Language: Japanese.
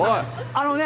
あのね。